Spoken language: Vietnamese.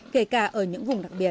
kể cả ở những vùng đặc biệt